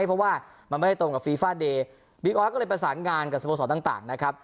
เพราะว่ามันไม่ได้ตรงกับฟีฟาเดย์บิ๊กออสก็เลยประสานงานกับสโมสรต่างนะครับ